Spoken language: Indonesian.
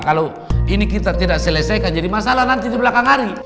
kalau ini kita tidak selesaikan jadi masalah nanti di belakang hari